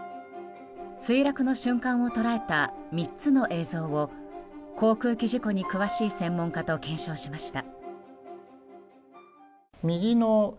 墜落の瞬間を捉えた３つの映像を航空機事故に詳しい専門家と検証しました。